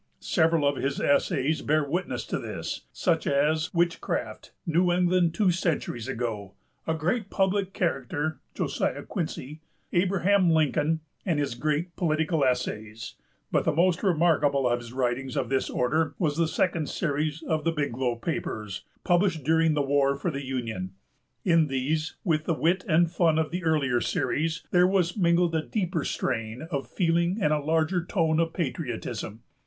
Several of his essays bear witness to this, such as Witchcraft, New England Two Centuries Ago, A Great Public Character (Josiah Quincy), Abraham Lincoln, and his great Political Essays. But the most remarkable of his writings of this order was the second series of The Biglow Papers, published during the war for the Union. In these, with the wit and fun of the earlier series, there was mingled a deeper strain of feeling and a larger tone of patriotism.